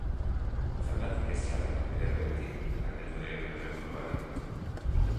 Zergatik ez jarraitu bide beretik?, galdetu diot neure buruari.